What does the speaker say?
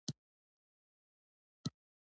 وزې پر خپلو کوچنیانو ویاړي